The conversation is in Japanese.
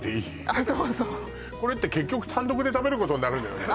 あっどうぞこれって結局単独で食べることになるのよね